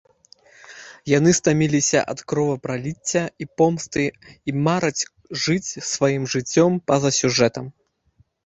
Яны стаміліся ад кровапраліцця і помсты і мараць жыць сваім жыццём па-за сюжэтам.